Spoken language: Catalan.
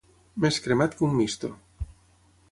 Més cremat que un misto.